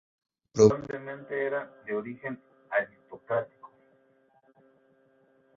Probablemente era de origen aristocrático.